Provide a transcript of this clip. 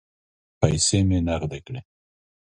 پیسې مې نغدې کړې.